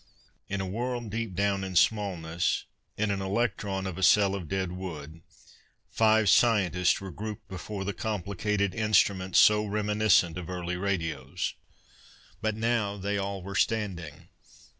In a world deep down in Smallness, in an electron of a cell of dead wood, five scientists were grouped before the complicated instrument so reminiscent of early radios. But now they all were standing.